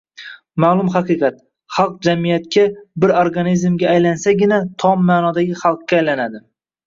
Ma’lum haqiqat: xalq jamiyatga – bir organizmga aylansagina tom ma’nodagi xalqqa aylanadi.